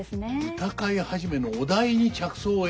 歌会始のお題に着想を得て。